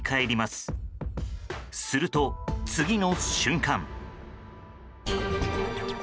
すると、次の瞬間。